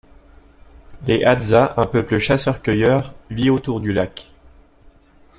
Les Hadzas, un peuple chasseur-cueilleur, vit autour du lac.